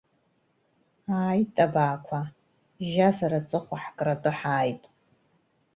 Ааит абаақәа, жьазар аҵыхәа ҳкратәы ҳааит!